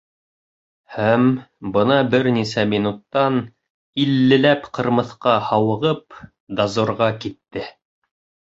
Һәм, бына бер нисә минуттан иллеләп ҡырмыҫҡа, һауығып, дозорға китте.